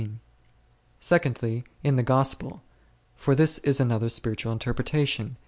Secondly, in the Gospel; for this is another spiritual interpretation.